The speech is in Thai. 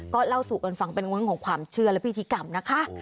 ก็เล่าสู่กันฟังเป็นเรื่องของความเชื่อและพิธีกรรมนะคะ